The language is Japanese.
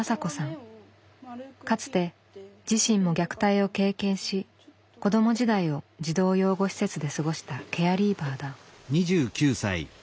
かつて自身も虐待を経験し子ども時代を児童養護施設で過ごしたケアリーバーだ。